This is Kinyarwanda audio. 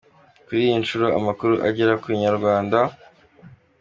Kuri iyi nshuro amakuru agera ku inyarwanda.